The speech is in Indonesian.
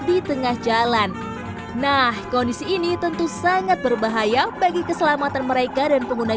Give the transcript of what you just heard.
di tengah jalan nah kondisi ini tentu sangat berbahaya bagi keselamatan mereka dan pengguna